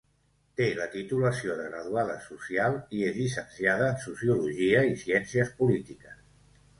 Té la titulació de Graduada Social i és llicenciada en Sociologia i Ciències Polítiques.